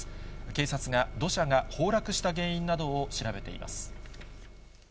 警察が土砂が崩落した原因などを調べています。